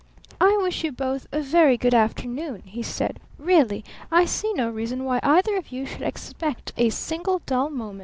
"I wish you both a very good afternoon!" he said. "Really, I see no reason why either of you should expect a single dull moment!"